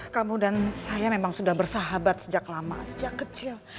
kamu dan saya memang sudah bersahabat sejak lama sejak kecil